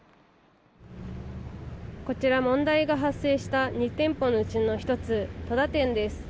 こちら、問題が発生した２店舗のうちの１つ戸田店です。